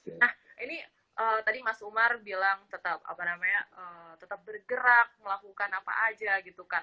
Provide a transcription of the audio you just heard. nah ini tadi mas umar bilang tetap bergerak melakukan apa aja gitu kan